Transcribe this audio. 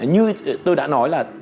như tôi đã nói là